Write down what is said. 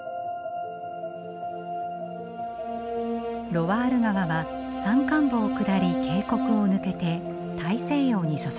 ロワール川は山間部を下り渓谷を抜けて大西洋に注ぎ込みます。